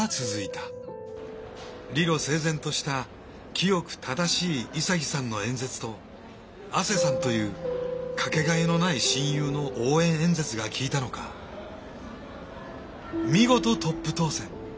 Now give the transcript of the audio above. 理路整然とした清く正しい潔さんの演説と阿瀬さんという掛けがえのない親友の応援演説が効いたのか見事トップ当選。